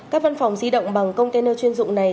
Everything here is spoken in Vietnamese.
các văn phòng di động bằng container chuyên dụng này